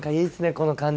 この感じ。